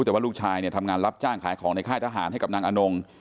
แต่ว่าลูกชายเนี่ยทำงานรับจ้างขายของในค่ายทหารให้กับนางอนง